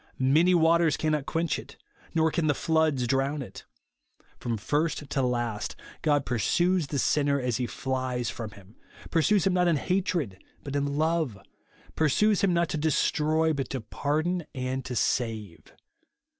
Many waters cannot quench it, nor can the floods drown it. From first to last, God pursues the sinner as he flies from him ; pursues him not in hatred, but in love ; pursues him not to destroy, but to pa rdon and to save.